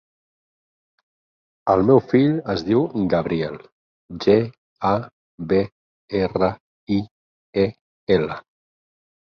El meu fill es diu Gabriel: ge, a, be, erra, i, e, ela.